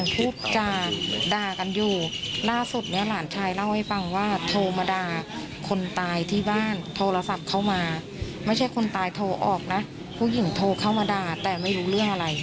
ผู้หญิงโทรเข้ามาด่าแต่ไม่รู้เรื่องอะไร